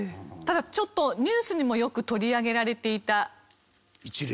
ただちょっとニュースにもよく取り上げられていた。